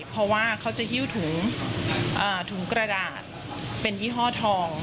เพราะว่าเขาจะหิ้วถุงกระดาษเป็นยี่ห้อทอง